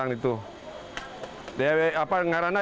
ini berapa juta juta